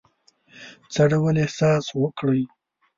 څه ډول احساس وکړی.